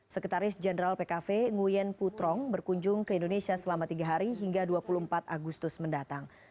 sekretaris jenderal pkv nguyen putrong berkunjung ke indonesia selama tiga hari hingga dua puluh empat agustus mendatang